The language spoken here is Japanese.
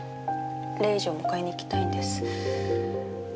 レイジを迎えに行きたいんです。